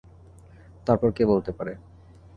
তারপর কে বলতে পারে?